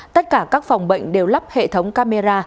tất cả các phòng bệnh đều lắp hệ thống camera